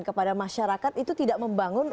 kepada masyarakat itu tidak membangun